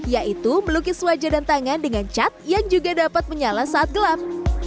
yaitu melukis wajah dan tangan dengan cat yang juga dapat menyala saat gelap